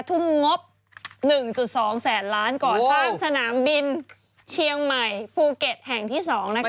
ทุ่มงบ๑๒แสนล้านก่อสร้างสนามบินเชียงใหม่ภูเก็ตแห่งที่๒นะคะ